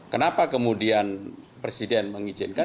kenapa kemudian presiden mengizinkan